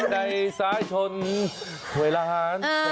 ใดซ้ายชนเวลาห้าน